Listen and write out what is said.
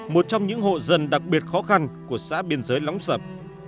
một trong những hộ dân đặc biệt khó khăn của xã biên giới lóng sập